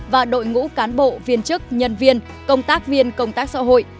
và đội ngũ cán bộ viên chức nhân viên công tác viên công tác xã hội